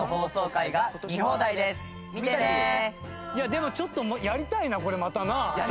でもちょっとやりたいなこれまたな。